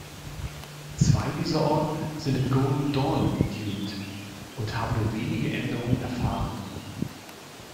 Zwei dieser Orden sind dem Golden Dawn entlehnt und haben nur wenige Änderungen erfahren.